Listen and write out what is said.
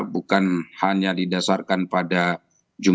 bukan hanya didasarkan pada jumlah